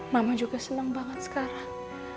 mama juga senang banget sekarang